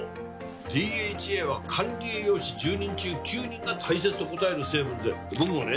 ＤＨＡは管理栄養士１０人中９人が大切と答える成分で僕もね